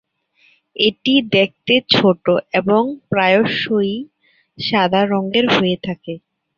এটি দেখতে ছোট এবং প্রায়শঃই সাদা রঙের হয়ে থাকে।